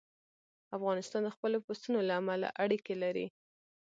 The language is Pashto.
افغانستان د خپلو پسونو له امله اړیکې لري.